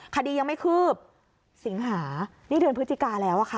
คดียังไม่คืบสิงหานี่เดือนพฤศจิกาแล้วอะค่ะ